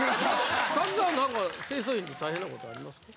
滝沢なんか清掃員で大変なことありますか。